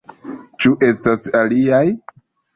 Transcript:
Ĉu estas aliaj?